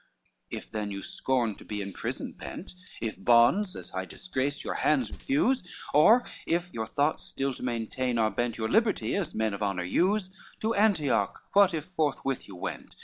XLIX "If then you scorn to be in prison pent, If bonds, as high disgrace, your hands refuse; Or if your thoughts still to maintain are bent Your liberty, as men of honor use: To Antioch what if forthwith you went?